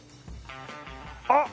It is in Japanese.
あっ！